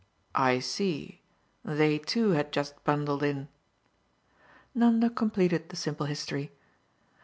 "I see. They too had just bundled in." Nanda completed the simple history.